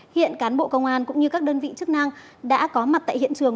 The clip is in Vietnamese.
hiện cán bộ công an cũng như các đơn vị chức năng đã có mặt tại hiện trường